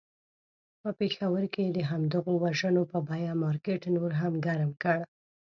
په پېښور کې یې د همدغو وژنو په بیه مارکېټ نور هم ګرم کړ.